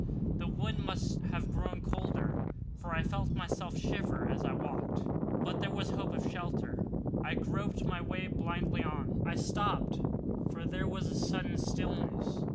The wind must have grown colder, for I felt myself shiver as I walked; but there was hope of shelter, and I groped my way blindly on. I stopped, for there was a sudden stillness.